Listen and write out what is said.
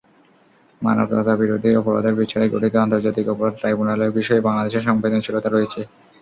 মানবতাবিরোধী অপরাধের বিচারে গঠিত আন্তর্জাতিক অপরাধ ট্রাইব্যুনালের বিষয়ে বাংলাদেশের সংবেদনশীলতা রয়েছে।